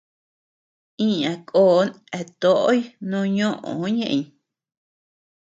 Iña koón eatoʼóy noo ñoʼó ñëʼeñ.